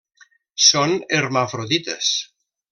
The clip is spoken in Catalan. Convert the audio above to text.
Són hermafrodites.